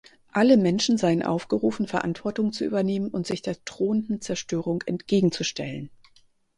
Alle Menschen seien aufgerufen, Verantwortung zu übernehmen und sich der drohenden Zerstörung entgegenzustellen.